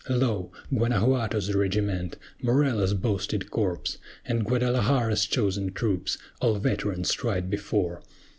Lo! Guanajuato's regiment; Morelos' boasted corps, And Guadalajara's chosen troops! all veterans tried before.